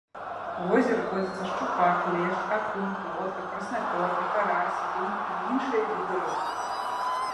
У возеры водзяцца шчупак, лешч, акунь, плотка, краснапёрка, карась, лінь і іншыя віды рыб.